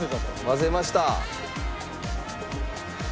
混ぜました！